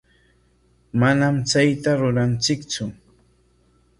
Manam chayta ruranchiktsu.